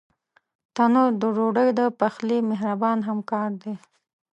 تنور د ډوډۍ د پخلي مهربان همکار دی